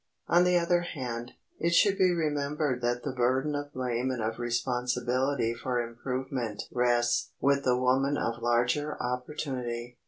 On the other hand, it should be remembered that the burden of blame and of responsibility for improvement rest with the woman of larger opportunity.